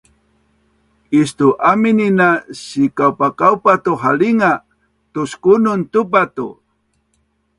Istu-aminin a sikaupakaupa tu halinga, tuskunun tupa tu